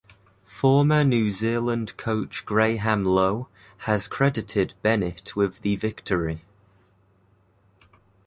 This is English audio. Former New Zealand coach Graham Lowe has credited Bennett with the victory.